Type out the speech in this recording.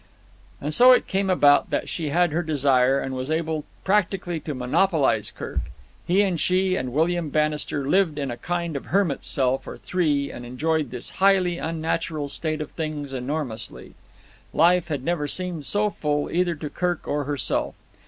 And so it came about that she had her desire and was able practically to monopolize Kirk. He and she and William Bannister lived in a kind of hermit's cell for three and enjoyed this highly unnatural state of things enormously. Life had never seemed so full either to Kirk or herself.